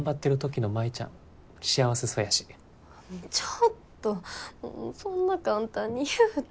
ちょっとそんな簡単に言うて。